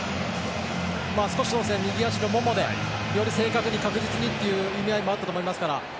少し右足のももでより正確に、確実にという意味合いもあったと思いますから。